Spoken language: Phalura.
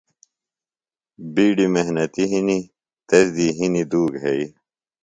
بِیڈیۡ محنِتی ِہنیۡ، تس دی ہنیۡ ُدو گھئی